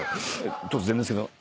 突然ですけど。